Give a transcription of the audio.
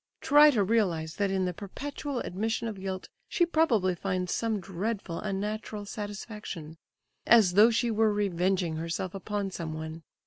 Try to realize that in the perpetual admission of guilt she probably finds some dreadful unnatural satisfaction—as though she were revenging herself upon someone.